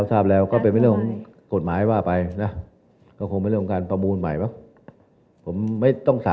อเรนนี่อาทิบช่อง๘ค่ะ